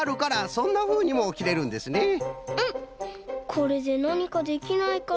これでなにかできないかな？